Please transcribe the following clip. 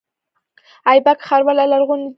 ایبک ښار ولې لرغونی دی؟